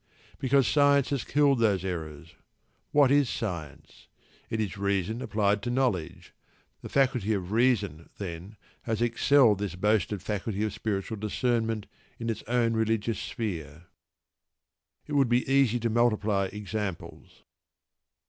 Because science has killed those errors. What is science? It is reason applied to knowledge. The faculty of reason, then, has excelled this boasted faculty of spiritual discernment in its own religious sphere. It would be easy to multiply examples.